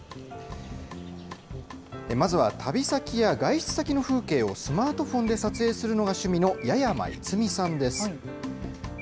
まずは、旅先や外出先の風景をスマートフォンで撮影するのが趣味の弥山愛美さんです。